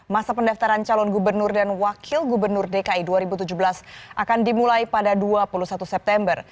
masa pendaftaran calon gubernur dan wakil gubernur dki dua ribu tujuh belas akan dimulai pada dua puluh satu september